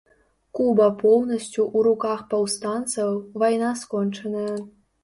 Куба поўнасцю ў руках паўстанцаў, вайна скончаная.